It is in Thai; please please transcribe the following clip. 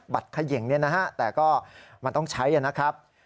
เขย่งเนี่ยนะฮะแต่ก็มันต้องใช้นะครับ